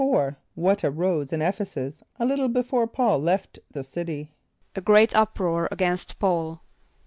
= What arose in [)E]ph´e s[)u]s a little before P[a:]ul left the city? =A great uproar against P[a:]ul.